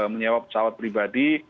menyewa pesawat pribadi